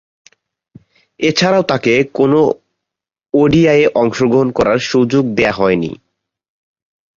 এছাড়াও, তাকে কোন ওডিআইয়ে অংশগ্রহণ করার সুযোগ দেয়া হয়নি।